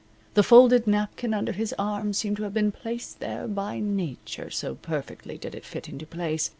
The folded napkin under his left arm seemed to have been placed there by nature, so perfectly did it fit into place.